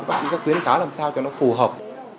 bác sĩ sẽ khuyến khá làm sao cho nó phù hợp